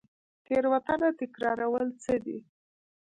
تیروتنه تکرارول څه دي؟